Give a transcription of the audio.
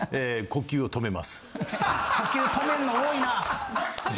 呼吸止めんの多いな。